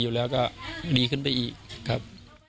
อยู่แล้วก็ดีขึ้นไปอีกครับ